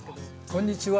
こんにちは。